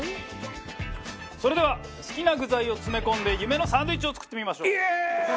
それでは好きな具材を詰め込んで夢のサンドイッチを作ってみましょう。